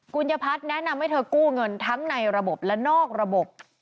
คุณยพัฒน์แนะนำให้เธอกู้เงินทั้งในระบบและนอกระบบ